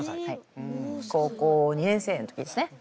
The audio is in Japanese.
高校２年生の時ですね。